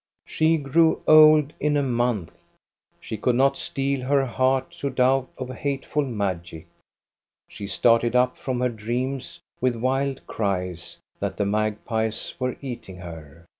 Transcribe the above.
She grew old in a month. She could not steel her heart to doubt of hateful magic. She started up from her dreams with wild cries that the magpies were eating her.